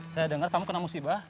saya dengar kamu kena musibah